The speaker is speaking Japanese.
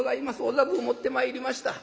おざぶを持ってまいりました」。